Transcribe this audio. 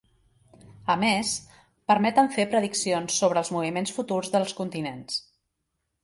A més, permeten fer prediccions sobre els moviments futurs dels continents.